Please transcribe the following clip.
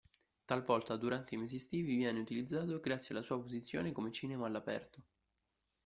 Talvolta durante i mesi estivi viene utilizzato, grazie alla sua posizione, come cinema all'aperto.